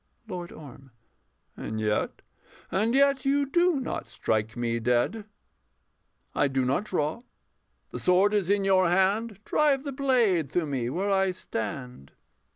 LORD ORM. And yet and yet you do not strike me dead. I do not draw: the sword is in your hand Drive the blade through me where I stand.